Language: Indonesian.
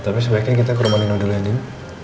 tapi sebaiknya kita ke rumah nino dulu aja